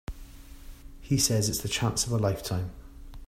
He says it's the chance of a lifetime.